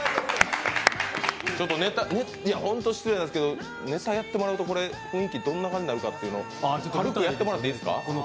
ホント失礼なんですけどネタやってもらうと雰囲気どんな感じになるかという軽くやってもらっていいですか？